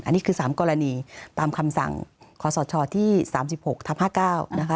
อันนี้คือสามกรณีตามคำสั่งขอสอดชอบที่สามสิบหกทำห้าเก้านะคะ